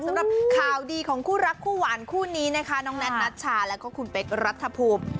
สำหรับข่าวดีของคู่รักคู่หวานคู่นี้นะคะน้องแท็ชาแล้วก็คุณเป๊กรัฐภูมิ